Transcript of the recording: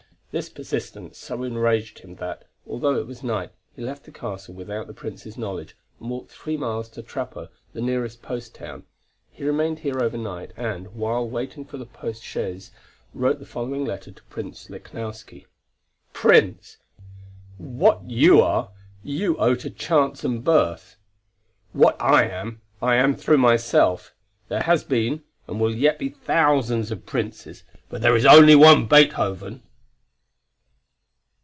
This persistence so enraged him that, although it was night, he left the castle without the Prince's knowledge, and walked three miles to Trappau, the nearest post town. He remained here overnight, and, while waiting for the post chaise, wrote the following letter to Prince Lichnowsky: "Prince! what you are you owe to chance and birth. What I am, I am through myself. There has been, and will yet be thousands of princes, but there is only one Beethoven."[A] [A] Frimmel's Beethoven.